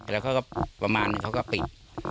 แล้วก็ประมาณนึงเขาก็ปิด